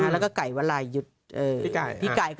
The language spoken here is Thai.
แล้วก็ไก่วะลายพี่ไก่